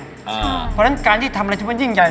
เพราะฉะนั้นการที่ทำอะไรที่มันยิ่งใหญ่